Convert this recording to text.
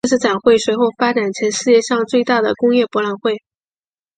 这次展会随后发展成世界上最大的工业博览会。